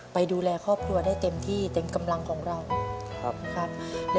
ไปดูแลครอบครัวได้เต็มที่เต็มกำลังของเรานะครับ